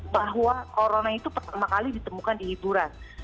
bahwa corona itu pertama kali ditemukan di hiburan